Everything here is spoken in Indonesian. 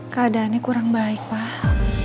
keadaannya kurang baik pak